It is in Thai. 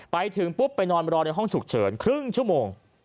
ไปถึงปุ๊บไปนอนรอในห้องฉุกเฉินครึ่งชั่วโมง